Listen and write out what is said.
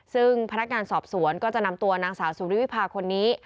ซึ่งพนักงานสอบสวนก็จะนำตัวนางสาวสุริวิพาคนนี้